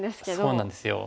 そうなんですよ。